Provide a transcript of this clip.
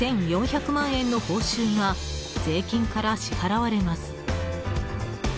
１４００万円の報酬が税金から支払われます。